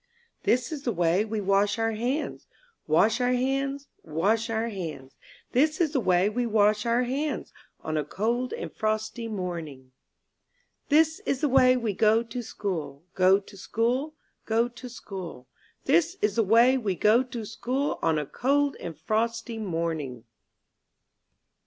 This is the way we wash our hands. Wash our hands, wash our hands; This is the way we wash our hands, On a cold and frosty morning. This is the way we go to school, Go to school, go to school ; This is the way we go to school, On a cold and frosty morning.